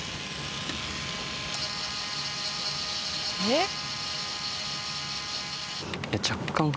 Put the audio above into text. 「えっ？」